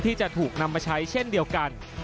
ที่จะถูกนำมาใช้เช่นเดียวกัน